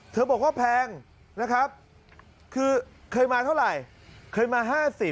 บอกว่าแพงนะครับคือเคยมาเท่าไหร่เคยมา๕๐